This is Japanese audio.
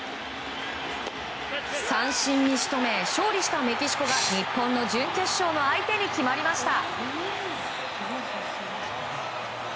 三振に仕留め勝利したメキシコが日本の準決勝の相手に決まりました。